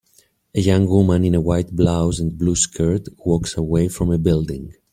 A young woman in a white blouse and blue skirt walks away from a building.